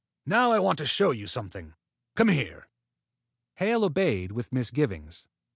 Now I want to show you something. Come here." Hale obeyed with misgivings.